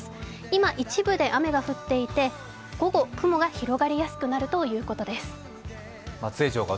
今、一部で雨が降っていて午後、雲が広がりやすくなるということです。